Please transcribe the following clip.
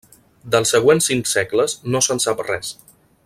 Dels següents cinc segles no se'n sap res.